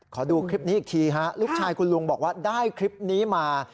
ขอดูคลิปนี้อีกทีฮะลูกชายคุณลุงบอกว่าได้คลิปนี้มา